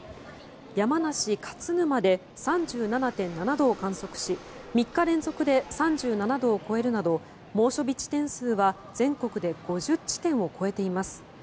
山梨・勝沼で３７．７度を観測し３日連続で３７度を超えるなど猛暑日地点数は全国で５０地点を超えています。